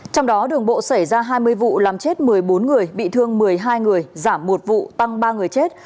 trong đó đường bộ xảy ra hai mươi vụ làm chết một mươi bốn người bị thương một mươi hai người giảm một vụ tăng ba người chết